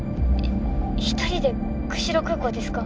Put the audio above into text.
一人で釧路空港ですか？